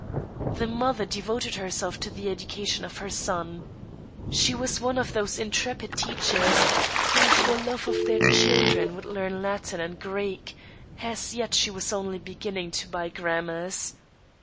The mother devoted herself to the education of her son. She was one of those intrepid teachers who for love of their children would learn Latin and Greek — as yet she was only beginning to buy grammars.